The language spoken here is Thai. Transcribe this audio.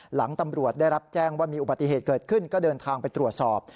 หลังตำรวจได้รับแจ้งว่ามีอุบัติเหตุเกิดขึ้นก็เดินทางไปตรวจสอบ